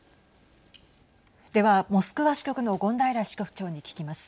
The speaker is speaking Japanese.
では、モスクワ支局の権平支局長に聞きます。